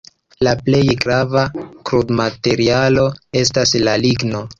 La plej grava krudmaterialo estas la ligno.